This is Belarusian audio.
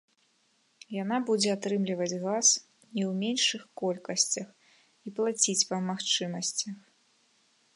Яна будзе атрымліваць газ не ў меншых колькасцях і плаціць па магчымасцях.